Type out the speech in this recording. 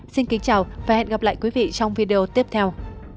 xin kính chào và hẹn gặp lại quý vị trong video tiếp theo